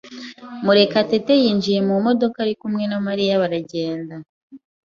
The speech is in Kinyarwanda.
Murekatete yinjiye mu modoka ari kumwe na Mariya baragenda.